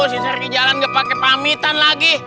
si srege jalan nggak pakai pamitan lagi